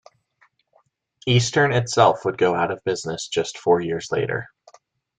Eastern itself would go out of business just four years later.